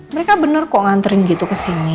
mereka bener kok nganterin gitu kesini